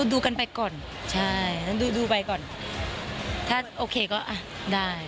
ดูกันไปก่อนใช่ดูไปก่อนถ้าโอเคก็ได้